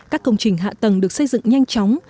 các công trình hạ tầng được xây dựng nhanh chóng